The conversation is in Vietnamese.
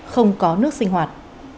không có nước sinh hoạt